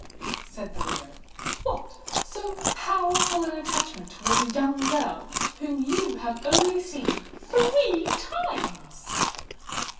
said the widow. "What! so powerful an attachment towards a young girl whom you have only seen three times!"